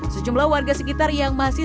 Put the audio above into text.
sejumlah warga sekitar yang berada di sini